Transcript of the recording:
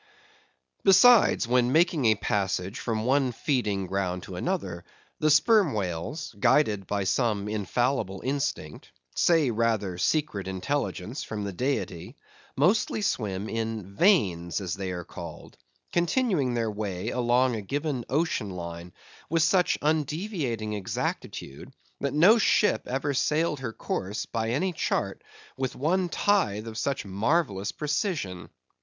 Besides, when making a passage from one feeding ground to another, the sperm whales, guided by some infallible instinct—say, rather, secret intelligence from the Deity—mostly swim in veins, as they are called; continuing their way along a given ocean line with such undeviating exactitude, that no ship ever sailed her course, by any chart, with one tithe of such marvellous precision.